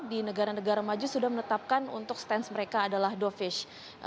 di negara negara maju sudah menetapkan untuk stance mereka adalah dovis